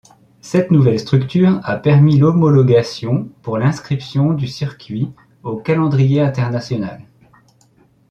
Cette nouvelle structure a permis l'homologation pour l'inscription du circuit au calendrier international.